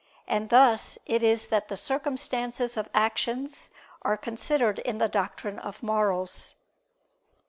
And thus it is that the circumstances of actions are considered in the doctrine of morals.